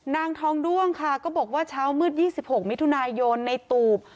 นางทองด้วงค่ะก็บอกว่าเช้ามืด๒๖มิถุนายนในตูบ